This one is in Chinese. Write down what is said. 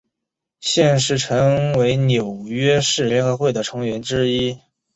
现时陈为纽约市联合会的成员之一。